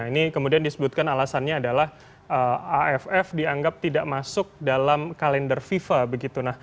ini kemudian disebutkan alasannya adalah aff dianggap tidak masuk dalam kalender fifa